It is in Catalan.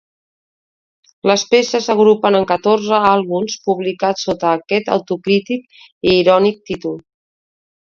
Les peces s'agrupen en catorze àlbums publicats sota aquest autocrític i irònic títol.